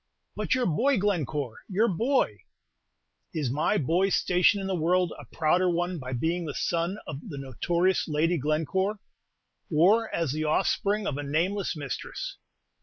"But your boy, Glencore, your boy!" "Is my boy's station in the world a prouder one by being the son of the notorious Lady Glencore, or as the offspring of a nameless mistress?